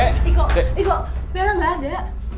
iko iko bella enggak ada